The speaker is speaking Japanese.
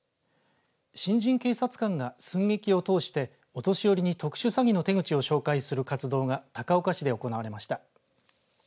新人警察官が寸劇を通してお年寄りに特殊詐欺の手口を紹介する活動が高岡市で行われました。